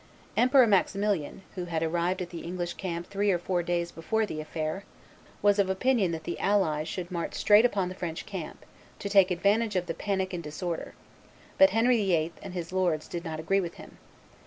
Emperor Maximilian, who had arrived at the English camp three or four days before the affair, was of opinion that the allies should march straight upon the French camp, to take advantage of the panic and disorder; but "Henry VIII. and his lords did not agree with him."